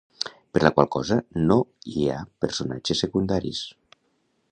Per la qual cosa no i a personatges secundaris.